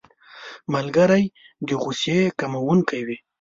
ملګری د غوسې کمونکی وي